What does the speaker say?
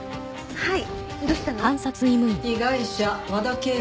はい。